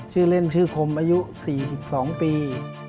ชื่อเล่นชื่อคมอายุ๔๒ปี